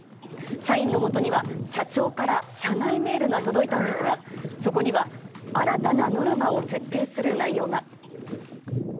社員のもとには社長から社内メールが届いたんですがそこには新たなノルマを設定する内容が。